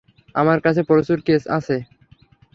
আমার কাছে প্রচুর কেস আছে।